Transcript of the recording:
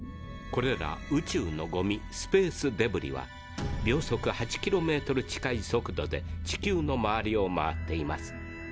これら宇宙のゴミスペースデブリは秒速８キロメートル近い速度で地球の周りを回っています。